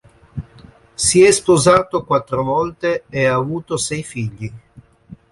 Si è sposato quattro volte e ha avuto sei figli.